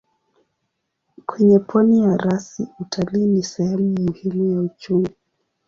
Kwenye pwani ya rasi utalii ni sehemu muhimu ya uchumi.